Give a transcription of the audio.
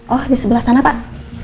oh di sebelah sana pak